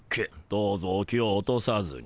どうぞお気を落とさずに。